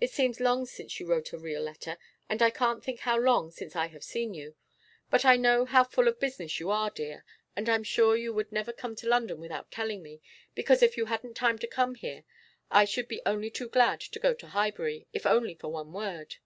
It seems long since you wrote a real letter, and I can't think how long since I have seen you. But I know how full of business you are, dear, and I'm sure you would never come to London without telling me, because if you hadn't time to come here, I should be only too glad to go to Highbury, if only for one word.